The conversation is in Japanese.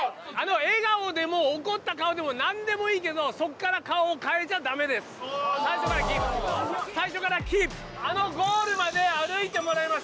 笑顔でも怒った顔でも何でもいいけどそっから顔を変えちゃダメですああ・最初からキープ最初からキープあのゴールまで歩いてもらいます